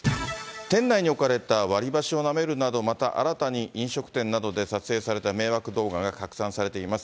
店内に置かれた割り箸をなめるなど、また新たに飲食店などで撮影された迷惑動画が拡散されています。